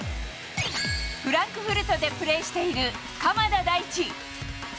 フランクフルトでプレーしている鎌田大地。